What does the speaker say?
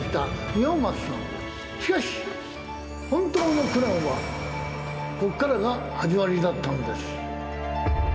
しかし本当の苦難はここからが始まりだったのです。